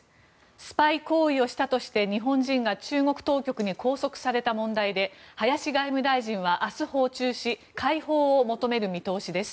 スパイ行為をしたとして日本人が中国当局に拘束された問題で林外務大臣は明日、訪中し解放を求める見通しです。